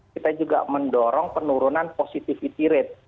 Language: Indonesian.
kita juga mendorong penurunan positivity rate